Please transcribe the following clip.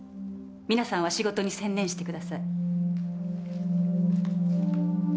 皆さんは仕事に専念してください。